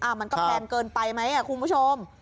อ้าวมันก็แพงเกินไปไหมอ่ะคุณผู้ชม